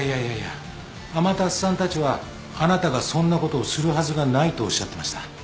天達さんたちはあなたがそんなことをするはずがないとおっしゃってました。